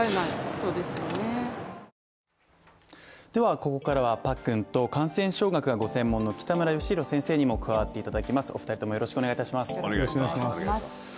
ここからはパックンと感染症学がご専門の北村義浩先生にも加わっていただきます。